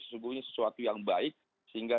sesungguhnya sesuatu yang baik sehingga